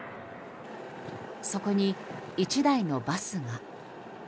そこに１台のバスが。